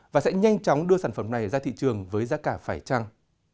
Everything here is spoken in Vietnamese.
và sẽ nhanh chóng đưa sản phẩm này ra thị trường với giá cả phải trăng